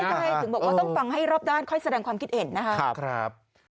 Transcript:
ใช่ถึงบอกว่าต้องฟังให้รอบด้านค่อยแสดงความคิดเห็นนะครับ